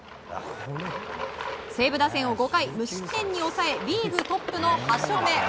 西武打線を５回無失点に抑えリーグトップの８勝目。